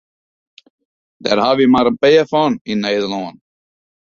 Dêr hawwe wy mar in pear fan yn Nederlân.